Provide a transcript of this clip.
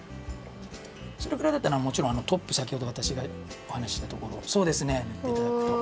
それくらいだったらもちろんトップさきほどわたしがおはなししたところそうですねぬっていただくと。